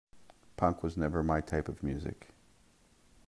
Punk was never my type of music.